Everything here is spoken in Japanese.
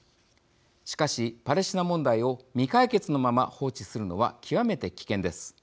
しかし、パレスチナ問題を未解決のまま放置するのは極めて危険です。